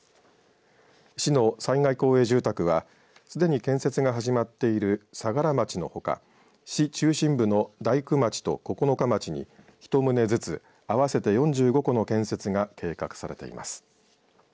市の災害公営住宅はすでに建設が始まっている相良町のほか市中心部の大工町と九日町に１棟ずつ合わせて４５戸の建設が計画されています。